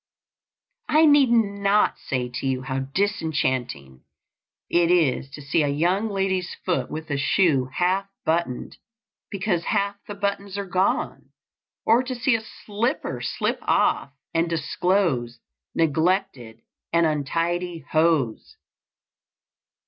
I need not say to you how disenchanting it is to see a young lady's foot with a shoe half buttoned because half the buttons are gone; or to see a slipper slip off and disclose neglected and untidy hose.